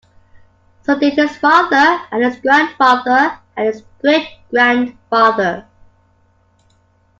So did his father, and his grandfather, and his great-grandfather!